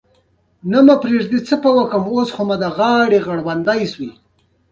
خاص تاته مونږ عبادت کوو، او خاص له نه مرسته غواړو